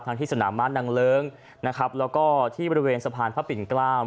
ที่สนามบ้านนางเลิ้งนะครับแล้วก็ที่บริเวณสะพานพระปิ่นเกล้า